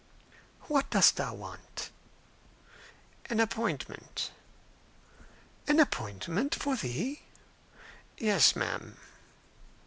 "What dost thou want?" "An appointment." "An appointment? for thee!" "Yes, madam."